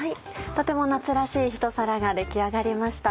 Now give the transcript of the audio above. とても夏らしいひと皿が出来上がりました。